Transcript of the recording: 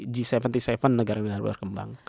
g tujuh puluh tujuh negara negara berkembang